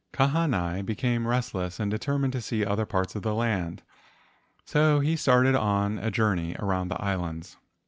Kahanai became restless and determined to see other parts of the land, so he started on a journey around the islands.